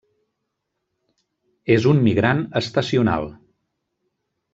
És un migrant estacional.